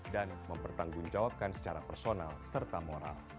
dan mempertanggungjawabkan secara personal serta moral